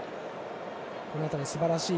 この辺りすばらしい。